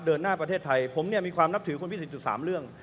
เดินหน้าประเทศไทยผมเนี่ยมีความนับถือคุณพิสิทธิอยู่๓เรื่อง